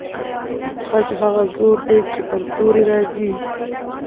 خج هغه زور دی چې پر توري راځي.